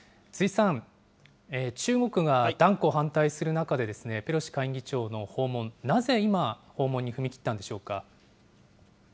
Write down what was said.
辻さん、中国が断固反対する中で、ペロシ下院議長の訪問、なぜ今、訪問に踏み切ったんでしょうか。